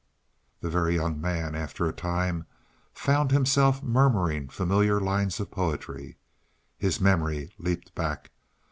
The Very Young Man after a time found himself murmuring familiar lines of poetry. His memory leaped back.